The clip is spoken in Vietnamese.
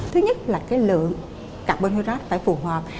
thứ nhất là cái lượng carbon hydrate phải phù hợp